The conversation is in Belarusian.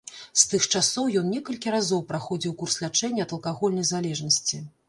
З тых часоў ён некалькі разоў праходзіў курс лячэння ад алкагольнай залежнасці.